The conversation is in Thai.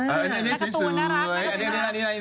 อันนี้สวย